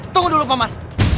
tunggu dulu paman